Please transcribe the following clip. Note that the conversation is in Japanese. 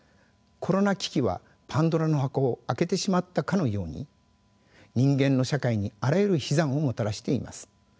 コロナ危機はパンドラの箱を開けてしまったかのように人間の社会にあらゆる悲惨をもたらしています。